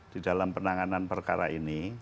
di dalam penanganan perkara ini